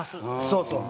そうそう。